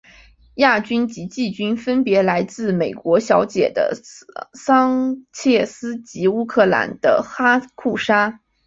亚军及季军分别是来自美国小姐的桑切斯及乌克兰的哈库沙。